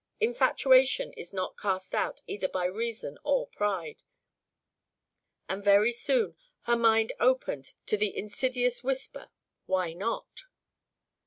Infatuation is not cast out either by reason or pride, and very soon her mind opened to the insidious whisper: "Why not?"